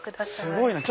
すごいな！